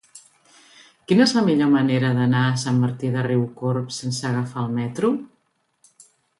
Quina és la millor manera d'anar a Sant Martí de Riucorb sense agafar el metro?